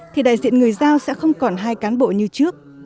thì đại diện người giao sẽ không còn hai cán bộ như trước